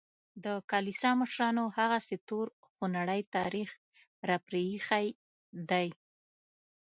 د کلیسا مشرانو هغسې تور خونړی تاریخ راپرېښی دی.